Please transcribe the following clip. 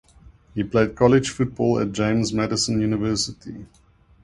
He played college football at James Madison University.